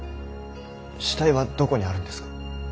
死体はどこにあるんですか。